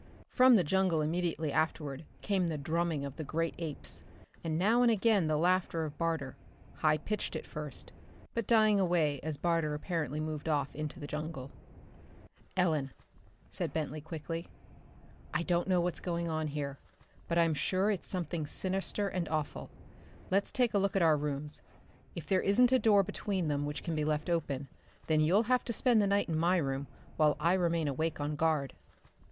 From the jungle immediately afterward came the drumming of the great apes, and now and again the laughter of Barter high pitched at first, but dying away as Barter apparently moved off into the jungle. "Ellen," said Bentley quickly, "I don't know what's going on here, but I'm sure it's something sinister and awful. Let's take a look at our rooms. If there isn't a door between them which can be left open, then you'll have to spend the night in my room while I remain awake on guard."